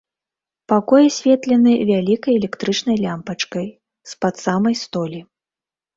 Пакой асветлены вялікай электрычнай лямпачкай з-пад самай столі.